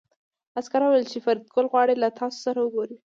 عسکر وویل چې فریدګل غواړي له تاسو سره وګوري